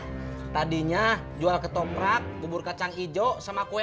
sekarang jual ketoprak bubur kacang ijo sama kue ape